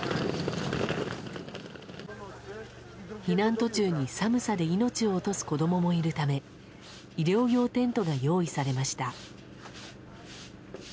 避難途中に寒さで命を落とす子供もいるため医療用テントが用意されました。